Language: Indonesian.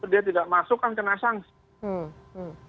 dia tidak masuk kan kena sanksi